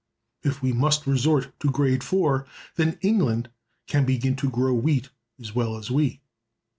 If we must resort to grade 4, then England can begin to grow wheat as well as we.